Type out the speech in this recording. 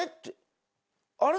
「あれ？